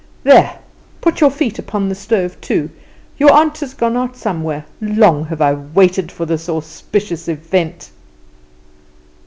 "There, put your feet upon the stove too. Your aunt has gone out somewhere. Long have I waited for this auspicious event!"